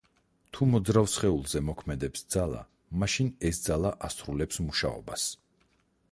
თუ მოძრავ სხეულზე მოქმედებს ძალა, მაშინ ეს ძალა ასრულებს მუშაობას.